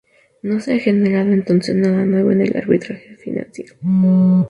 No se ha generado entonces nada nuevo en el arbitraje financiero.